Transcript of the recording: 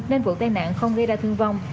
nên vụ tai nạn không gây ra thương vong